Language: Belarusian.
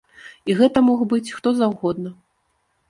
І гэта мог быць хто заўгодна.